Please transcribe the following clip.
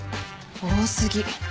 多すぎ